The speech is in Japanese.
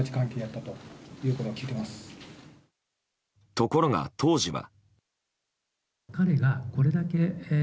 ところが当時は。